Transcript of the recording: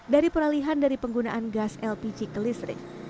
dari peralihan dari penggunaan gas lpg ke listrik